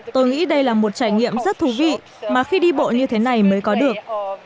tôi nghĩ đây là một trải nghiệm rất thú vị mà khi đi bộ như thế này mới có được